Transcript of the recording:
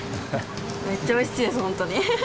めっちゃおいしいです、本当に。